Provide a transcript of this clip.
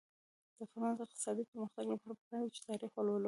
د افغانستان د اقتصادي پرمختګ لپاره پکار ده چې تاریخ ولولو.